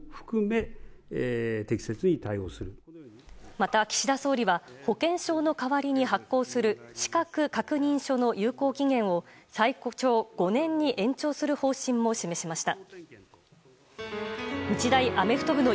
また、岸田総理は保険証の代わりに発行する資格確認書の有効期限を最長５年に延長する方針も示しました。